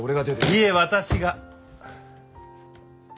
いいえ私が。